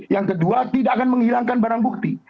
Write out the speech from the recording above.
yang kedua tidak akan menghilangkan barang bukti